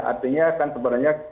artinya kan sebenarnya